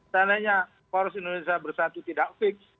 seandainya poros indonesia bersatu tidak fix